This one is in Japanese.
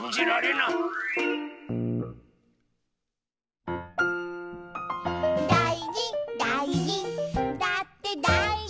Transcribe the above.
「だいじだいじだってだいじだもん」